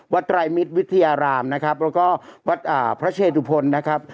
ไตรมิตรวิทยารามนะครับแล้วก็วัดพระเชตุพลนะครับ